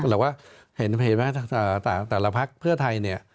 แต่ว่าเห็นไหมครับแต่ละภักดิ์เพื่อไทย